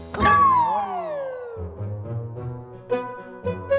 baik belawab beri g palace aba atas cyclops di pokot